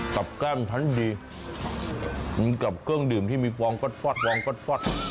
สาปแก้งทันดีมีกับเครื่องดื่มที่มีฟองคล็ป